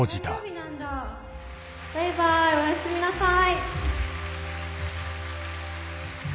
バイバイおやすみなさい。